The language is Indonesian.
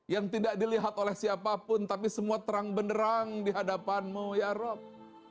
yang tidak dilihat oleh siapapun tapi semua terang benerang di hadapan mu ya rabb